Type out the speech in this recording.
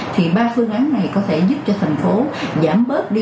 thì ba phương án này có thể giúp cho thành phố giảm bớt đi